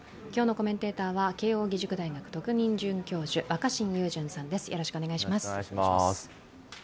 今日のコメンテーターは慶応義塾大学特任准教授若新雄純さんです。